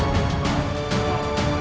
ya ini udah berakhir